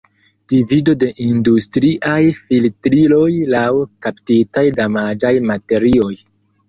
Divido de industriaj filtriloj laŭ kaptitaj damaĝaj materioj.